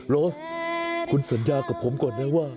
โรสคุณสัญญากับผมก่อนนะว่า